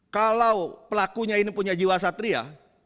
kalau pelakunya ini punya jiwa satria